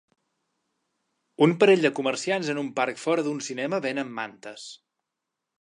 Un parell de comerciants en un parc fora d'un cinema venen mantes.